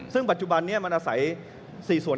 ซึ่งปัจจุบันนี้มันอาศัย๔ส่วน